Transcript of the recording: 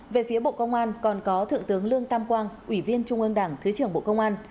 về phía bộ công an còn có thượng tướng lương tam quang ủy viên trung ương đảng thứ trưởng bộ công an